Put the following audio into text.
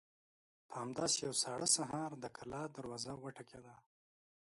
په همداسې يوه ساړه سهار د کلا دروازه وټکېده.